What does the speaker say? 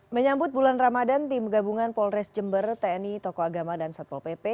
menyambut bulan ramadan tim gabungan polres jember tni toko agama dan satpol pp